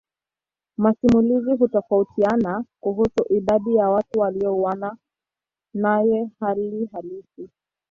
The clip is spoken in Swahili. Masimulizi hutofautiana kuhusu idadi ya watu waliouawa naye hali halisi.